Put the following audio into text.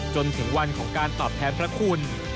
จนถึงวันของการตอบแทนพระคุณ